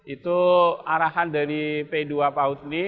itu arahan dari p dua pautni